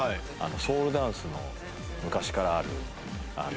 ソウルダンスの昔からある。